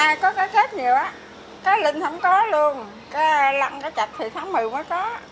năm nay có cá kết nhiều á cá linh không có luôn cá lăng cá chạch thì tháng một mươi mới có